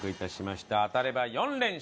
当たれば４連勝。